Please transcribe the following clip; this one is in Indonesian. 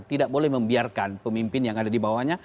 tidak boleh membiarkan pemimpin yang ada di bawahnya